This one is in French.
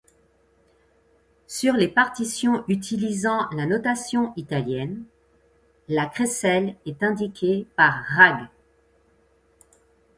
Sur les partitions utilisant la notation italienne, la crécelle est indiqué par Rag.